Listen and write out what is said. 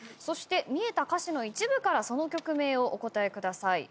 そして見えた歌詞の一部からその曲名をお答えください。